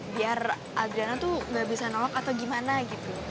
biar adriana tuh gak bisa nolak atau gimana gitu